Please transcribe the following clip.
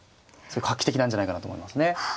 画期的なんじゃないかなと思いますね。